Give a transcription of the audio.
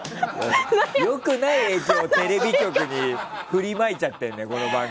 良くない影響をテレビ局に振りまいちゃってるね、この番組。